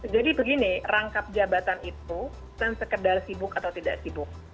jadi begini rangkap jabatan itu sekedar sibuk atau tidak sibuk